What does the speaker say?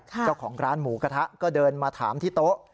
เจ้าของร้านหมูกระทะก็เดินมาถามที่โต๊ะ